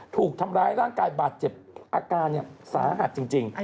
ถูกทำร้ายร่างกายบาดเจ็บอาการสาหัสจริง